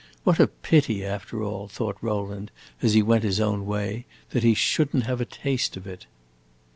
What a pity, after all, thought Rowland, as he went his own way, that he should n't have a taste of it!